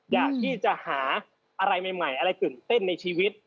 อยากที่จะหาอะไรใหม่อะไรตื่นเต้นในชีวิต